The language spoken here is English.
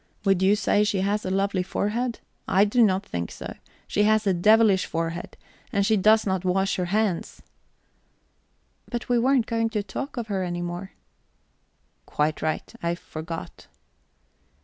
Would you say she had a lovely forehead? I do not think so. She has a devilish forehead. And she does not wash her hands." "But we weren't going to talk of her any more." "Quite right. I forgot."